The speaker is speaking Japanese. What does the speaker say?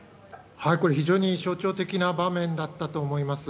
これ、非常に象徴的な場面だったと思います。